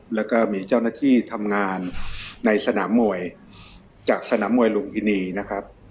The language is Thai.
แล้วก็มีเจ้าหน้าที่ทำงานในสนามมวยจากสนามมวยลุมพินีนะครับ